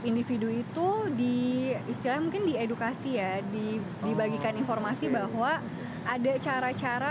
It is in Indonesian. individu itu di istilahnya mungkin diedukasi ya dibagikan informasi bahwa ada cara cara